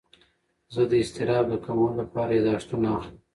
زه د اضطراب د کمولو لپاره یاداښتونه اخلم.